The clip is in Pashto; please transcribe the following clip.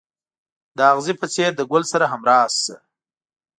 د اغزي په څېر د ګل سره همراز شه.